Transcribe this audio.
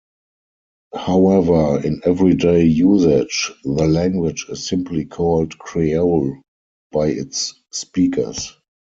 However, in everyday usage the language is simply called "Creole" by its speakers.